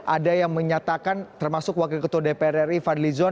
ada yang menyatakan termasuk wakil ketua dpr ri fadli zon